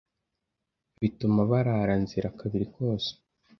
bituma barara nzira kabiri kose.